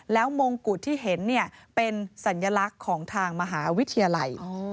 แล้วมงกุฎที่เห็นเป็นสัญลักษณ์ของทางมหาวิทยาลัย